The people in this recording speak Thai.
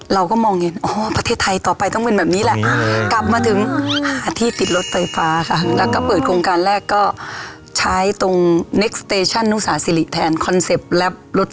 เราก็มองเห็นอ๋อประเทศไทยต่อไปต้องเป็นแบบนี้แหละ